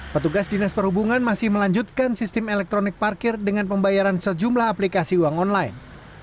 petugas dinas perhubungan masih melanjutkan sistem elektronik parkir dengan pembayaran sejumlah aplikasi uang online